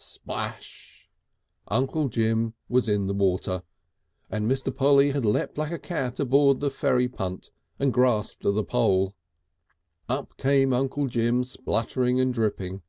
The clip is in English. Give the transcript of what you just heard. Splash! Uncle Jim was in the water and Mr. Polly had leapt like a cat aboard the ferry punt and grasped the pole. Up came Uncle Jim spluttering and dripping.